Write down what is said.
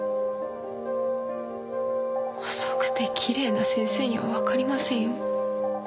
細くて奇麗な先生には分かりませんよ。